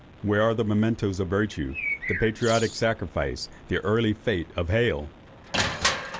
Where is the memento of the virtues, the patriotic sacrifice, the early fate of Hale?"